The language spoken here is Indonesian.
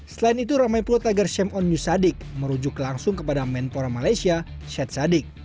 selain itu ramai puluh tagar shame on you sadik merujuk langsung kepada menpora malaysia shad sadik